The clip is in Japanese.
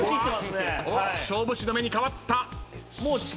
勝負師の目に変わった。